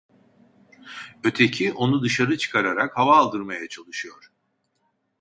Öteki onu dışarı çıkararak hava aldırmaya çalışıyor.